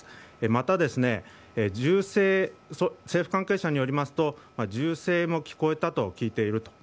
また、政府関係者によりますと銃声も聞こえたと聞いていると。